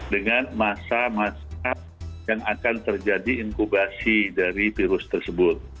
dengan masa masa yang akan terjadi inkubasi dari virus tersebut